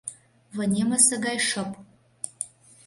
Вынемысе гай шып.